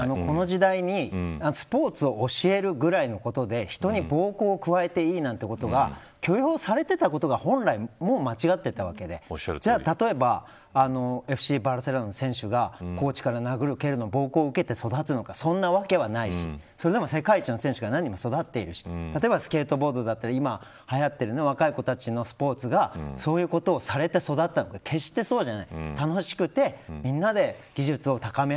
この時代にスポーツを教えるぐらいのことで人に暴行を加えていいなんてことが許容されていたことが本来間違っていたわけでじゃあ例えばＦＣバルセロナの選手がコーチから殴る蹴るの暴行を受けて育つのかそんなわけはないしそれでも世界一の選手が何人も育ってるし例えばスケートボードでいまはやっているようなスポーツがそういうことをされて育ったかって決して、そうじゃない。